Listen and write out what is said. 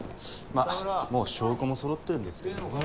まあもう証拠も揃ってるんですけどね。